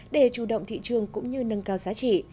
để chủ động thị trường cũng như nâng cao giá trị